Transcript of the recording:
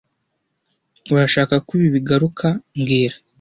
Urashaka ko ibi bigaruka mbwira